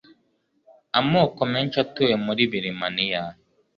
amoko menshi atuye muri birimaniya